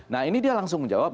nah ini dia langsung menjawab